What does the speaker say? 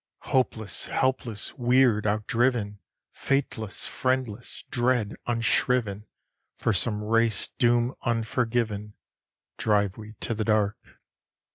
Hopeless, helpless, weird, outdriven, Fateless, friendless, dread, unshriven, For some race doom unforgiven, Drive we to the dark.